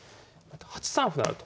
８三歩成と。